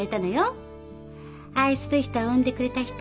愛する人を生んでくれた人。